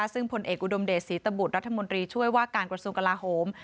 ซึ่งผลเอกอุดมเดชศรีตบุตรรัฐมนตรีช่วยว่าการกระทรวงกลาโหม